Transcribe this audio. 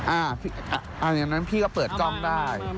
อย่างนั้นพี่ก็เปิดกล้องได้